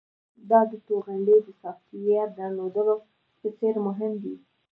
دا د توغندي د سافټویر درلودلو په څیر مهم ندی